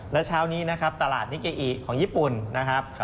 และเช้านี้ตลาดนิเกอียะของยี่ปุ่นนะครับ